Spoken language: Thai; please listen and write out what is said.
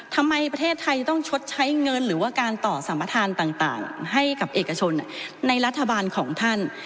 ประเทศไทยจะต้องชดใช้เงินหรือว่าการต่อสัมประธานต่างให้กับเอกชนในรัฐบาลของท่าน